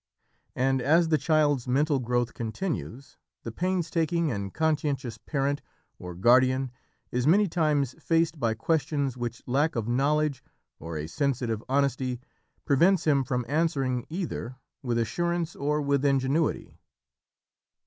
And as the child's mental growth continues, the painstaking and conscientious parent or guardian is many times faced by questions which lack of knowledge, or a sensitive honesty, prevents him from answering either with assurance or with ingenuity.